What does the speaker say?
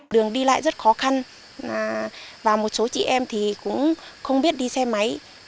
đường đi lại rất khó khăn và một số chị em thì cũng không biết đi xe máy